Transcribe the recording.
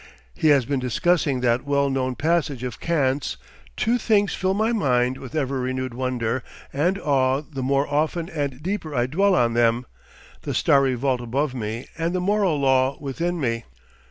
He has been discussing that well known passage of Kant's: "Two things fill my mind with ever renewed wonder and awe the more often and deeper I dwell on them the starry vault above me, and the moral law within me."